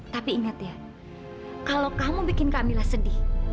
tapi ingat ya kalau kamu bikin kamilah sedih